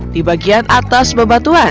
di bagian atas bebatuan